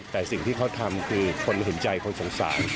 แต่สิ่งที่เขาทำคือคนเห็นใจคนสงสาร